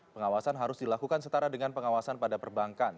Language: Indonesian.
pengawasan harus dilakukan setara dengan pengawasan pada perbankan